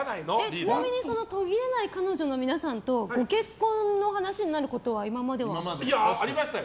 ちなみに途切れない彼女の皆さんとご結婚の話になることは今までは？ありましたよ。